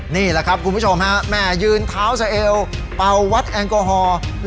นี่แหละครับคุณผู้ชมฮะแม่ยืนเท้าสะเอวเป่าวัดแอลกอฮอล์